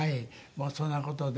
もうそんな事で。